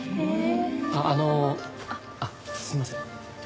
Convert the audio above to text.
あのあっすいません。